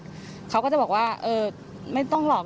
คือเขาก็จะบอกว่าไม่ต้องหลอก